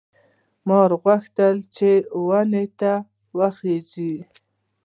مار غوښتل چې ونې ته وخېژي.